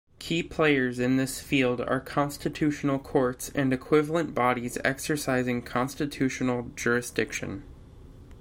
Key players in this field are constitutional courts and equivalent bodies exercising constitutional jurisdiction.